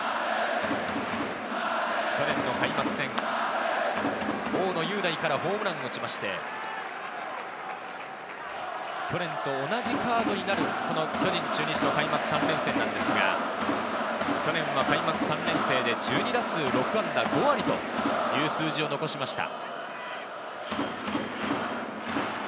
去年の開幕戦、大野雄大からホームランを打ちまして、去年と同じカードになる巨人、中日の開幕３連戦なんですが、去年は開幕３連戦で１２打数６安打、５割という数字を残しました。